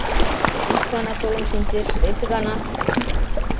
Ик гана толын шинчеш, вес гана.